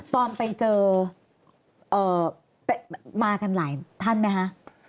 ตอนไปเจอมากันหลายท่านไหมคะ